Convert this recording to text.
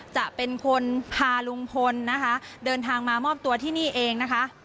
จะเป็นคนพาลุงพลนะคะเดินทางมามอบตัวที่นี่เองนะคะ